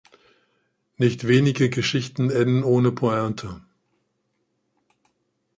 Nicht wenige Geschichten enden ohne Pointe.